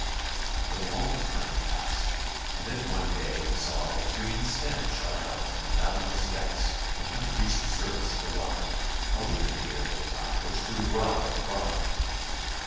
But a long time passed, and then one day he saw that a green stem shot up from the fathomless depths, and when it reached the surface of the water, a leaf appeared at the top which grew broader and broader.